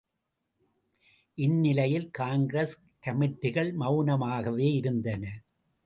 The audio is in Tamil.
இந்நிலையில் காங்கிரஸ் கமிட்டிகள் மெளனமாகவே இருந்தன.